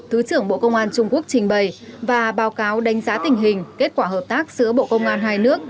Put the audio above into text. thứ trưởng bộ công an trung quốc trình bày và báo cáo đánh giá tình hình kết quả hợp tác giữa bộ công an hai nước